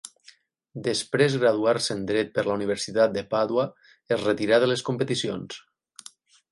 Després graduar-se en dret per la Universitat de Pàdua es retirà de les competicions.